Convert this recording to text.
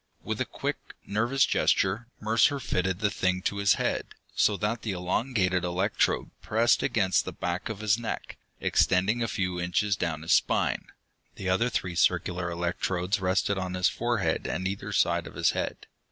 With a quick, nervous gesture, Mercer fitted the thing to his head, so that the elongated electrode pressed against the back of his neck, extending a few inches down his spine. The other three circular electrodes rested on his forehead and either side of his head.